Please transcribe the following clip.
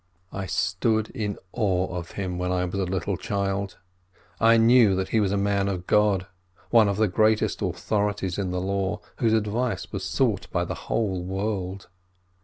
I stood in awe of him when I was a little child. I knew he was a man of God, one of the greatest authori ties in the Law, whose advice was sought by the whole world.